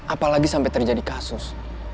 apalagi sampai terjadi kasus